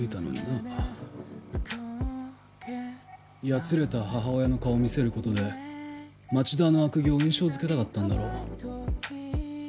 やつれた母親の顔を見せることで町田の悪行を印象づけたかったんだろう。